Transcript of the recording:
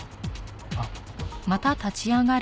あっ。